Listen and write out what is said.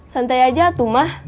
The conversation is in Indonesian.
santai aja tuh mah